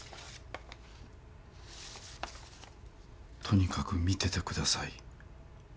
「とにかく見ててください。